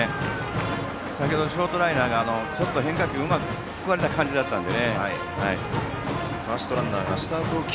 先程ショートライナーは変化球をうまくすくわれた感じだったので。